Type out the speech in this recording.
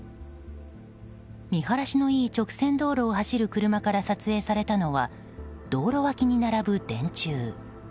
見晴らしのいい直線道路を走る車から撮影されたのは道路脇に並ぶ電柱。